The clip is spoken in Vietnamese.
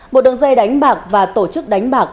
một đường dây đánh bạc và tổ chức đánh bạc